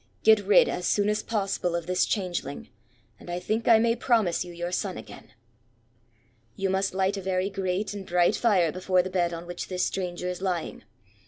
Get rid as soon as possible of this Changeling, and I think I may promise you your son again. "You must light a very great and bright fire before the bed on which this stranger is lying.